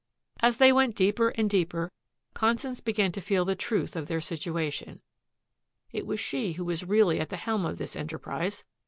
As they went deeper and deeper, Constance began to feel the truth of their situation. It was she who was really at the helm in this enterprise.